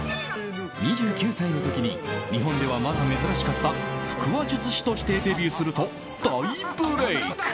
２９歳の時に日本ではまだ珍しかった腹話術師としてデビューすると大ブレーク。